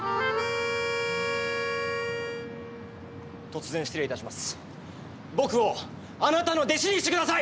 突然、失礼いたします。